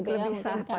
lebih sah gitu ya